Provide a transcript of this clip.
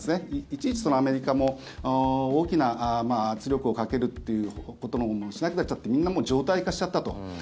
いちいちアメリカも大きな圧力をかけるということもしなくなっちゃってみんな常態化しちゃったと。